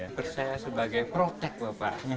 kain geringsing ini dikisahkan oleh dewa indra